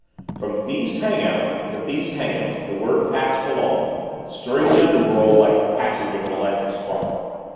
From thieves' hangout to thieves' hangout the word passed along stirring the underworld like the passage of an electric spark.